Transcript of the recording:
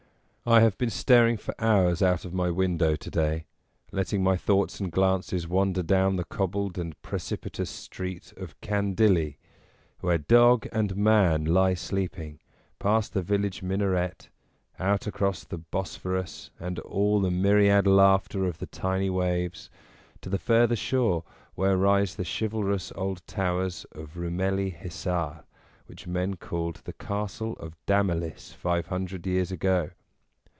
I have been staring for hours out of my window to day, letting my thoughts and glances wander down the cobbled and precipitous street of Candilli, where dog and man lie sleeping, past the village minaret, out across the Bos phorus and all the myriad laughter of the tiny waves, to the further shore where rise the chivalrous old towers of Roumeli Hissar, which men called the Castle of Damalis five hundred years ago.